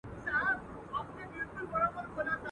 خونه له شنو لوګیو ډکه ده څه نه ښکاریږي.